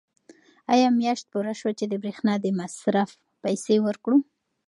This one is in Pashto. آیا میاشت پوره شوه چې د برېښنا د مصرف پیسې ورکړو؟